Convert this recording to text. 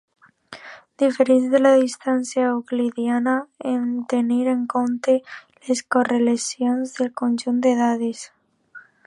Difereix de la distància euclidiana en tenir en compte les correlacions del conjunt de dades.